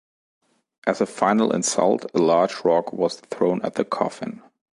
As a final insult, a large rock was thrown at the coffin.